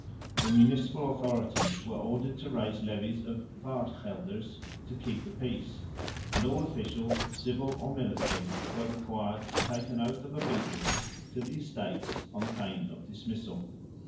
The municipal authorities were ordered to raise levies of Waardgelders to keep the peace; and all officials, civil or military, were required to take an oath of obedience to the Estates on pain of dismissal.